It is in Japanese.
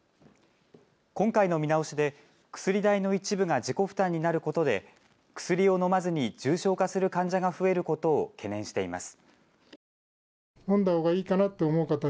今回の見直しで薬代の一部が自己負担になることで薬を飲まずに重症化する患者が増えることを懸念しています。